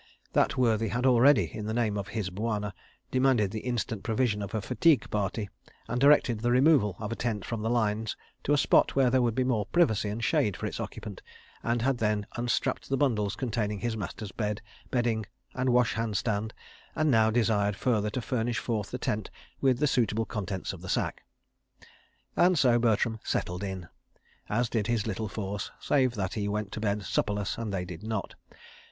That worthy had already, in the name of his Bwana, demanded the instant provision of a fatigue party, and directed the removal of a tent from the lines to a spot where there would be more privacy and shade for its occupant, and had then unstrapped the bundles containing his master's bed, bedding and washhand stand, and now desired further to furnish forth the tent with the suitable contents of the sack. ... And so Bertram "settled in," as did his little force, save that he went to bed supperless and they did not.